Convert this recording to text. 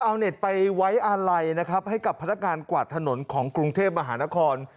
เอาเน็ตไปไว้อาลัยนะครับให้กับพนักงานกวาดถนนของกรุงเทพมหานคร